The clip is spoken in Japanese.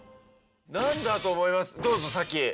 何だと思います？